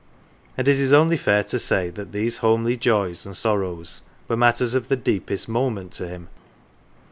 1 '' And it is only fair to say that these homely joys and sorrows were matters of the deepest moment to him.